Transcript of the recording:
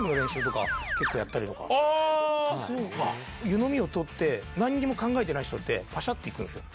湯飲みを取って何にも考えてない人ってパシャって行くんですよ